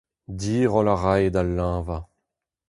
Diroll a rae da leñvañ.